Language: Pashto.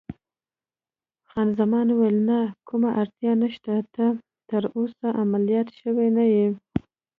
خان زمان وویل: نه، کومه اړتیا نشته، ته تراوسه عملیات شوی نه یې.